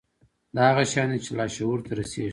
دا هغه شيان دي چې لاشعور ته رسېږي.